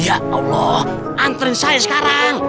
ya allah antri saya sekarang